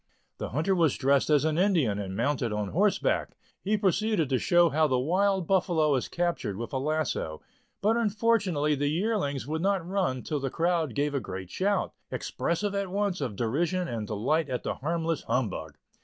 The hunter was dressed as an Indian, and mounted on horseback; he proceeded to show how the wild buffalo is captured with a lasso, but unfortunately the yearlings would not run till the crowd gave a great shout, expressive at once of derision and delight at the harmless humbug.